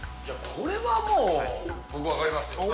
これはもう、僕分かりますよ。